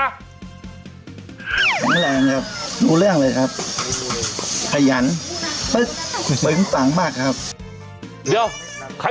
เร็งแรงครับรู้เรื่องเลยครับ